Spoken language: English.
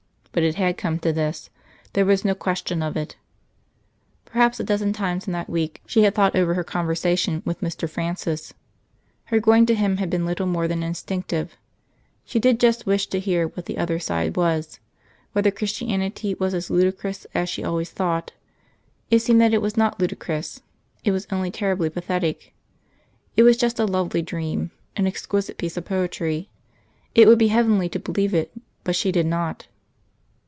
But it had come to this: there was no question of it. Perhaps a dozen times in that week she had thought over her conversation with Mr. Francis. Her going to him had been little more than instinctive; she did just wish to hear what the other side was whether Christianity was as ludicrous as she had always thought. It seemed that it was not ludicrous; it was only terribly pathetic. It was just a lovely dream an exquisite piece of poetry. It would be heavenly to believe it, but she did not.